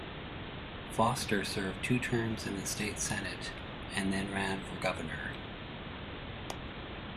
Foster served two terms in the state Senate and then ran for governor.